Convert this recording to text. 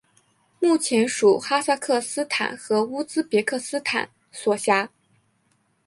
目前属哈萨克斯坦和乌兹别克斯坦所辖。